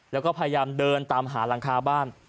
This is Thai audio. แล้วก็พยายามเดินตามหาหลังคาบ้าน